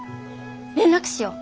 連絡しよう